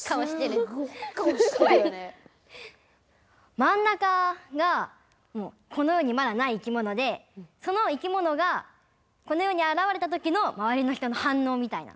まん中がこのよにまだない生きものでその生きものがこのよにあらわれた時のまわりの人のはんのうみたいな。